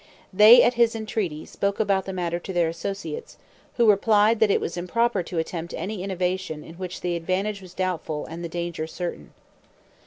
They, at his entreaty, spoke about the matter to their associates, who replied, that it was improper to attempt any innovation in which the advantage was doubtful and the danger certain.